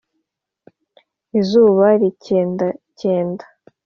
Izuba rikendakenda